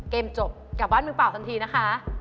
เกมจบกลับบ้านบิงเปราะสันทีนะคะ